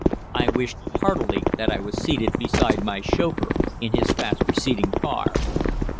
I wished heartily that I was seated beside my chauffeur in his fast receding car.